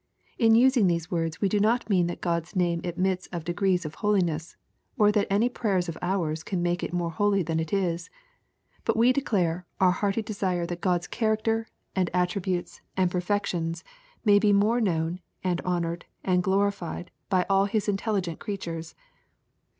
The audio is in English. In using these words, we do not mean that God's name admits of de grees of holiness, or that any prayers of ours can make it more holy than it is. But we declare our hearty de sire that God's character, and attribute's, and perfections, LUKE, CHAP. XI. O may be more known, and honored, and glorifieu by all His intelligent creatures.